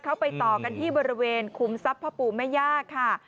เขาไปต่อกันที่บริเวณคุมทรัพย์พ่อปู่แม่ย่าค่ะ